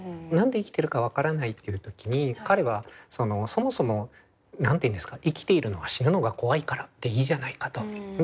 何で生きてるか分からないっていう時に彼はそもそも何て言うんですか「生きているのは死ぬのが怖いからでいいじゃないか」と。